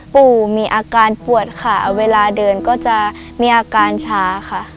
ปู่มีอาการปวดค่ะเวลาเดินก็จะมีอาการช้าค่ะ